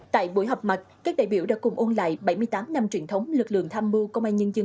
tại buổi họp mặt các đại biểu đã cùng ôn lại bảy mươi tám năm truyền thống lực lượng tham mưu công an nhân dân